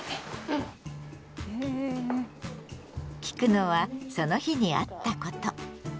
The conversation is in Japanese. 聞くのはその日にあったこと。